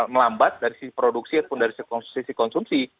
melambat dari sisi produksi ataupun dari sisi konsumsi